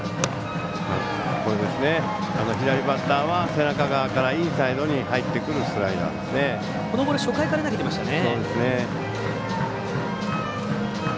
左バッターは背中側からインサイドに入ってくるこのボール初回から投げていましたね。